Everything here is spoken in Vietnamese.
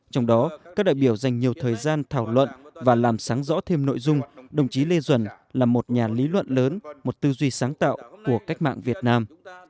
trong đó các đại biểu dành nhiều thời gian thảo luận và làm sáng rõ thêm nội dung đồng chí lê duẩn là một nhà lý luận lớn một tư duy sáng tạo của cách mạng việt nam